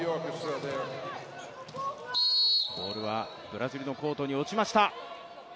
ボールはブラジルのコートに落ちました。